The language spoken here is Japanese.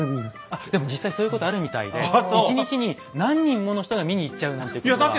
あっでも実際そういうことあるみたいで１日に何人もの人が見に行っちゃうなんてことは。